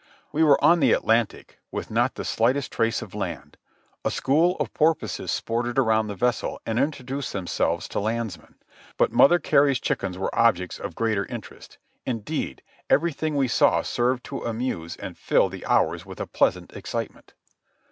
We were on the Atlantic, with not the slightest trace of land. A school of porpoises sported around the vessel and introduced themselves to landsmen, but Mother Carey's chickens fUl PRISON LIFK AT FORT WARREN 209 were objects of greater interest ; indeed, everything we saw served to amuse and fill the hours with a pleasant excitement.